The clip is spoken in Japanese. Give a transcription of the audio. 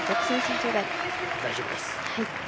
大丈夫です。